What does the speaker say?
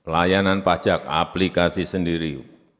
layanan pajak aplikasi sendiri